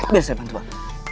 biar saya bantu pak